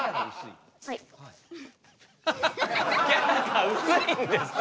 キャラが薄いんです！